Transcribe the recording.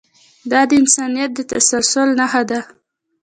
دا د انسانیت د تسلسل نښه ده.